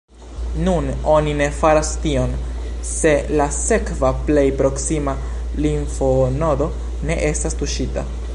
Nun oni ne faras tion, se la sekva plej proksima limfonodo ne estas tuŝita.